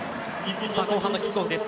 後半のキックオフです。